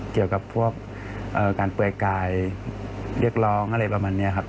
เกี่ยวกับพวกการเปลือยกายเรียกร้องอะไรประมาณนี้ครับ